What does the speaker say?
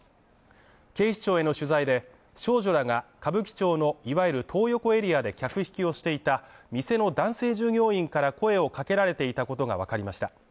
警視庁への取材で、少女らが、歌舞伎町のいわゆるトー横エリアで客引きをしていた店の男性従業員から声をかけられていたことがわかりました。